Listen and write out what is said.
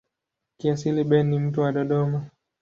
Kiasili Ben ni mtu wa Dodoma.